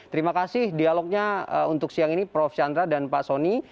terima kasih dialognya untuk siang ini prof chandra dan pak soni